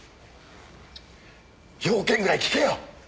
用件ぐらい聞けよ！